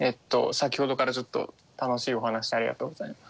先ほどからずっと楽しいお話をありがとうございます。